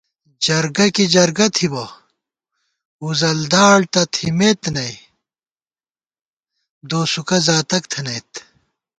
جرگہ کی جرگہ تھِبہ، وُزل داڑ تہ تِھمېت نئ، دوسُوکہ زاتَک تھنَئیت